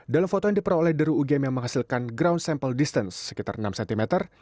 dalam foto yang diperoleh deru ugm yang menghasilkan ground sampel distance sekitar enam cm